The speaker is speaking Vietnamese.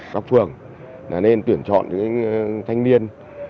các phường nên tuyển chọn những thanh niên